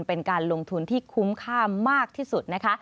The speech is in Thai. เป็นการลงทุนที่คุ้มค่ามากที่สุดนะคะ